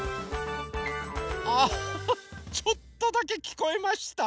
あちょっとだけきこえました。